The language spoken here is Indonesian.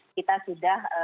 kita sudah mencari